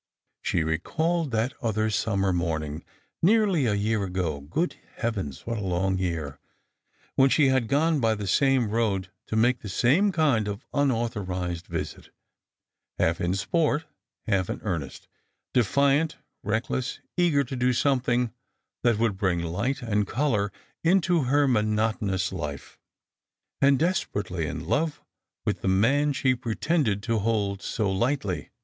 She recalled that other summer morning nearly a year ago — good heavens ! what a long year !— when she had gone by the same road to make the same kind of un authorised visit, half in sport andhalf in earnest, defiant, reckless, eager to do something that would bring light and colour into her monotonous life, and desperately in love with the man she pretended to hold so lightly.